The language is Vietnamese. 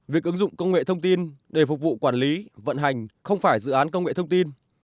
việc ứng dụng công nghệ thông tin để phục vụ quản lý vận hành không phải dự án công nghệ thông tin